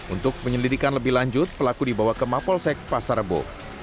untuk penyelidikan lebih lanjut pelaku dibawa ke mapolsek pasar rebo